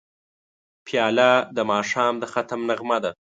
پیاله د ماښام د ختم نغمه ده.